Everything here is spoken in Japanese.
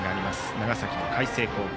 長崎の海星高校。